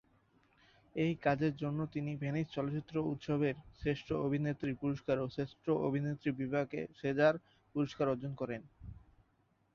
এই কাজের জন্য তিনি ভেনিস চলচ্চিত্র উৎসবের শ্রেষ্ঠ অভিনেত্রীর পুরস্কার ও শ্রেষ্ঠ অভিনেত্রী বিভাগে সেজার পুরস্কার অর্জন করেন।